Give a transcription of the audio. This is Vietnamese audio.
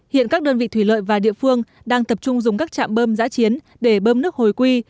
hiện các đơn vị thủy lợi và địa phương đang tập trung dùng các chạm bơm giã chiến để bơm nước hồi quy